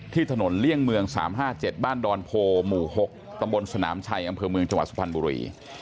ที่ถนนเลี่ยงเมือง๓๕๗บ้านดอนโพหมู่๖ตสนามชัยอำเภอเมืองจสุพนบุรี